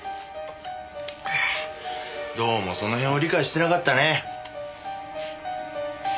どうもそのへんを理解してなかったね。